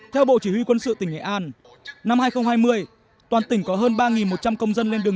theo bộ chỉ huy quân sự tỉnh nghệ an năm hai nghìn hai mươi toàn tỉnh có hơn ba một trăm linh công dân lên đường